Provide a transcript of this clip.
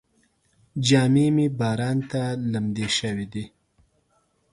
جامې مې باران ته لمدې شوې دي.